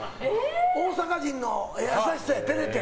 大阪人の優しさや、照れて。